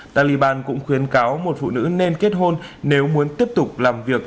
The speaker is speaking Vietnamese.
taliban cũng khuyến cáo một phụ nữ nên kết hôn nếu muốn tiếp tục làm việc